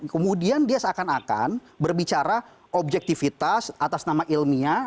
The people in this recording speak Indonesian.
kemudian dia seakan akan berbicara objektivitas atas nama ilmiah